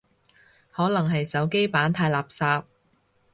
可能係手機版太垃圾